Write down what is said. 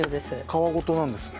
皮ごとなんですね。